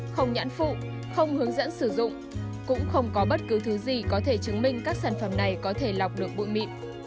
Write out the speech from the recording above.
không nhãn phụ không hướng dẫn sử dụng cũng không có bất cứ thứ gì có thể chứng minh các sản phẩm này có thể lọc được bụi mịn